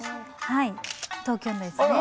はい東京のですね。